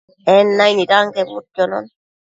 En naicnid anquebudquionon